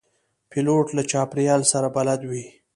پیلوټ له چاپېریال سره بلد وي.